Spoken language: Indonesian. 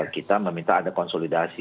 kita meminta ada konsolidasi